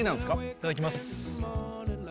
いただきます。